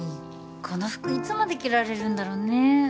この服いつまで着られるんだろうね？